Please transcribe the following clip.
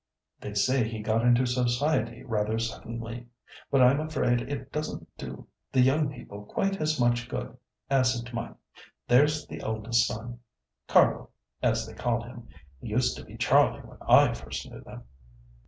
They say he got into society rather suddenly; but I'm afraid it doesn't do the young people quite as much good as it might. There's the eldest son, Carlo, as they call him—he used to be Charlie when I first knew them."